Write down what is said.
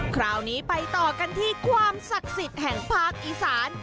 คราวนี้ไปต่อกันที่ความศักดิ์สิทธิ์แห่งภาคอีสาน